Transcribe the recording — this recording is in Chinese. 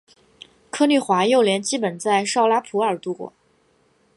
柯棣华幼年基本在绍拉普尔度过。